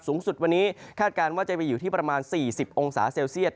สูงสุดวันนี้คาดการณ์ว่าจะไปอยู่ที่ประมาณ๔๐องศาเซลเซียต